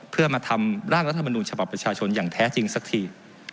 เพื่อมาทำร่างรัฐมนูญฉบับประชาชนอย่างแท้จริงสักที